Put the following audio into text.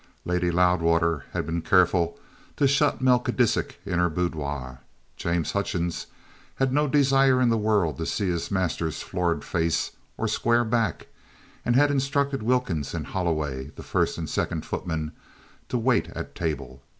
Lady Loudwater had been careful to shut Melchisidec in her boudoir; James Hutchings had no desire in the world to see his master's florid face or square back, and had instructed Wilkins and Holloway, the first and second footmen, to wait at table.